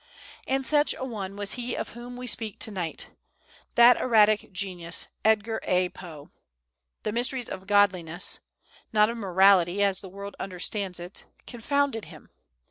And such a one was he of whom we speak to night, that erratic genius, EDGAR A. POE. The mysteries of Godliness, not of morality, as the world understands it, confounded him.